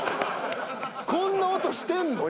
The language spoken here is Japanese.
こんな音してんの？